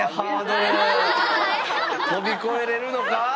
飛び越えれるのか？